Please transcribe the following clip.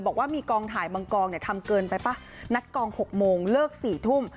บอกว่ามีกองถ่ายบางกองเนี่ยทำเกินไปป่ะนัดกอง๖โมงเลิก๔ทุ่ม